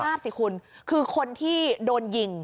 คิดสภาพสิคุณคือคนที่โดนยิง